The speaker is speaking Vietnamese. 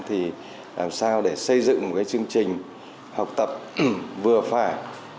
thì làm sao để xây dựng một cái chương trình học tập vừa phải